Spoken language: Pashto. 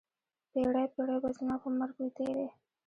پیړۍ، پیړۍ به زما په مرګ وي تېرې